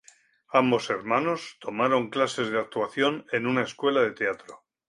Ambos hermanos tomaron clases de actuación en una escuela de teatro.